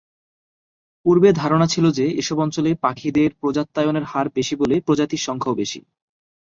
পূর্বে ধারণা ছিল যে এসব অঞ্চলে পাখিদের প্রজাত্যায়নের হার বেশি বলে প্রজাতির সংখ্যাও বেশি।